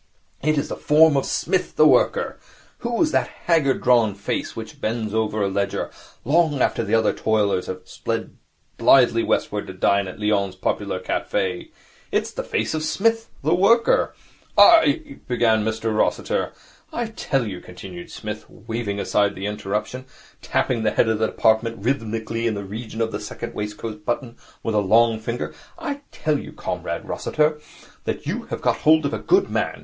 It is the form of Psmith, the Worker. Whose is that haggard, drawn face which bends over a ledger long after the other toilers have sped blithely westwards to dine at Lyons' Popular Cafe? It is the face of Psmith, the Worker.' 'I ' began Mr Rossiter. 'I tell you,' continued Psmith, waving aside the interruption and tapping the head of the department rhythmically in the region of the second waistcoat button with a long finger, 'I tell you, Comrade Rossiter, that you have got hold of a good man.